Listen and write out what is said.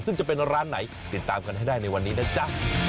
ซึ่งจะเป็นร้านไหนติดตามกันให้ได้ในวันนี้นะจ๊ะ